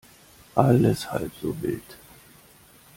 Alles halb so wild.